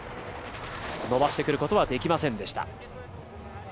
伸ばしてくることはできませんでした。